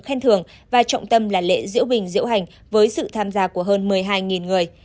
khen thưởng và trọng tâm là lễ diễu bình diễu hành với sự tham gia của hơn một mươi hai người